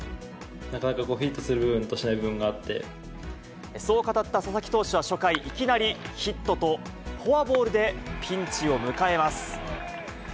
なかなかフィットする部分とそう語った佐々木投手は初回、いきなりヒットとフォアボールでピンチを迎えます。